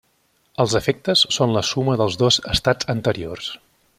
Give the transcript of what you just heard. Els efectes són la suma dels dos estats anteriors.